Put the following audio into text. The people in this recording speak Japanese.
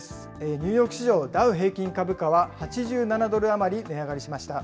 ニューヨーク市場ダウ平均株価は、８７ドル余り値上がりしました。